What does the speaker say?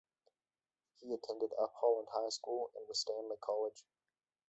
He attended Up Holland High School and Winstanley College.